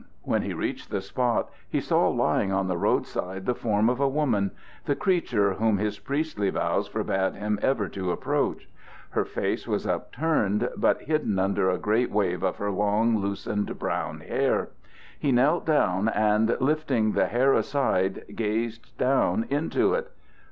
When he reached the spot he saw lying on the road side the form of a woman the creature whom his priestly vows forbade him ever to approach. Her face was upturned, but hidden under a great wave of her long, loosened, brown hair. He knelt down and, lifting the hair aside, gazed down into it.